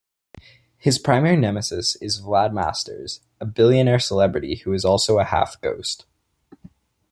His primary nemesis is Vlad Masters, a billionaire celebrity who is also a half-ghost.